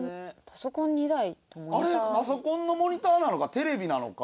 パソコンのモニターなのかテレビなのか。